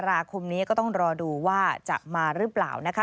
ราคมนี้ก็ต้องรอดูว่าจะมาหรือเปล่านะคะ